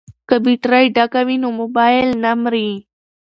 که بیټرۍ ډکه وي نو مبایل نه مري.